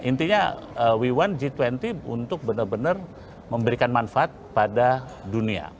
intinya we satu g dua puluh untuk benar benar memberikan manfaat pada dunia